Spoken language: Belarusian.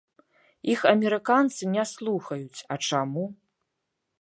Іх амерыканцы не слухаюць, а чаму?